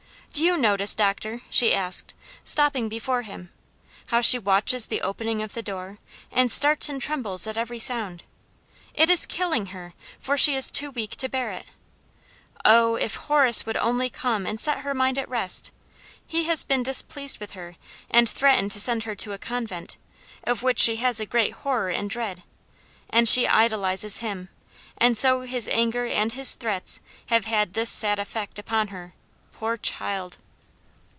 "Do you notice, doctor," she asked, stopping before him, "how she watches the opening of the door, and starts and trembles at every sound? It is killing her, for she is too weak to bear it. Oh! If Horace would only come, and set her mind at rest! He has been displeased with her, and threatened to send her to a convent, of which she has a great horror and dread and she idolizes him; and so his anger and his threats have had this sad effect upon her, poor child!"